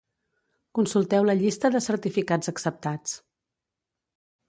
Consulteu la llista de certificats acceptats.